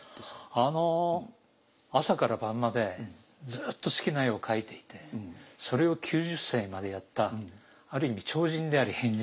あの朝から晩までずっと好きな絵を描いていてそれを９０歳までやったある意味超人であり変人。